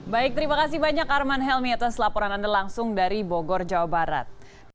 baik terima kasih banyak arman helmi atas laporan anda langsung dari bogor jawa barat